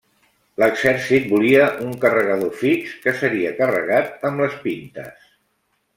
L'exèrcit volia un carregador fix que seria carregat amb les pintes.